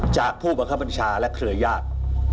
ผู้บังคับบัญชาและเครือญาติ